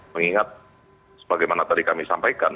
mengingat sebagaimana tadi kami sampaikan